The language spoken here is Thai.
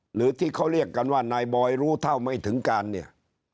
หรือที่เขาเรียกกันว่านายบอยรู้เท่าไม่ถึงการเนี่ย